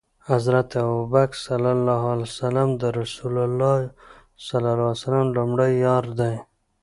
حضرت ابوبکر ص د رسول الله ص لمړی یار دی